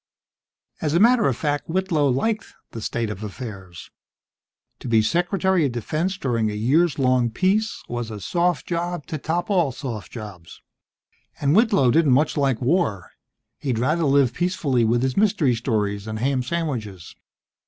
As a matter of fact, Whitlow liked the state of affairs. To be Secretary of Defense during a years long peace was a soft job to top all soft jobs. And Whitlow didn't much like war. He'd rather live peacefully with his mystery stories and ham sandwiches.